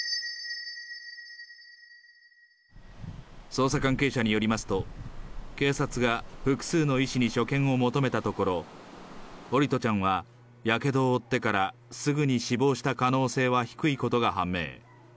捜査関係者によりますと、警察が複数の医師に所見を求めたところ、桜利斗ちゃんはやけどを負ってからすぐに死亡した可能性は低いことが判明。